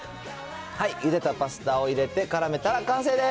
ゆでたパスタを入れてからめたら完成です。